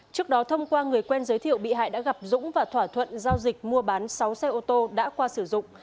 trước đó thông qua người quen giới thiệu bị hại đã gặp dũng và thỏa thuận giao dịch mua bán sáu xe ô tô đã qua sử dụng